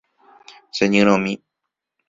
Cheñyrõmi.